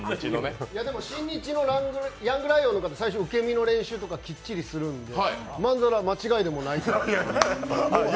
親日のヤングライオンの方、最初受け身の練習とかきっちりするんで、まんざら間違いでもないですよ。